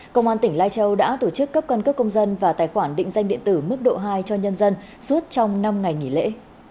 công an tỉnh lai châu đã tổ chức cấp căn cước công dân và tài khoản định danh điện tử mức độ hai cho nhân dân suốt trong năm ngày nghỉ lễ